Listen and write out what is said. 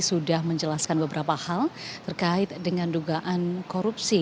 sudah menjelaskan beberapa hal terkait dengan dugaan korupsi